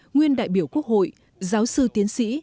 nguyên đại biểu quốc hội giáo sư tiến sĩ